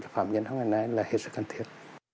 cho phạm nhân hôm nay là hết sức cần thiết